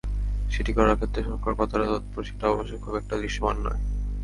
সেটি করার ক্ষেত্রে সরকার কতটা তৎপর, সেটা অবশ্য খুব একটা দৃশ্যমান নয়।